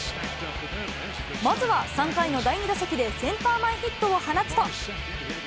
まずは３回の第２打席でセンター前ヒットを放つと。